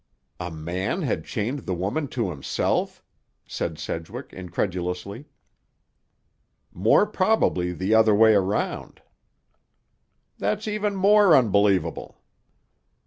"A man had chained the woman to himself?" said Sedgwick incredulously. "More probably the other way round." "That's even more unbelievable."